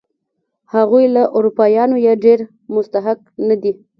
هغوی له اروپایانو یې ډېر مستحق نه دي.